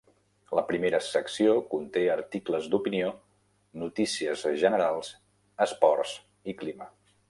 La primera secció conté articles d'opinió, notícies generals, esports i clima.